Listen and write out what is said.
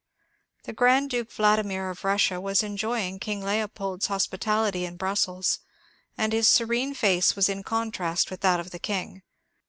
The Grand Duke Vladimir of Bussia was enjoying King Leopold's hospitality in Brussels, and his serene face was in contrast with that of the King.